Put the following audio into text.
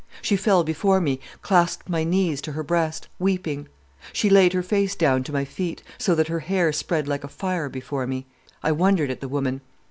She fell before me, clasped my knees to her breast, weeping. She laid her face down to my feet, so that her hair spread like a fire before me. I wondered at the woman.